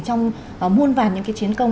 trong muôn vàn những chiến công